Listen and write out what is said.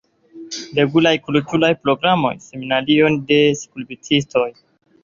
Regulaj kulturaj programoj, seminarioj de skulptistoj.